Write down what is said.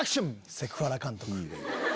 セクハラ監督。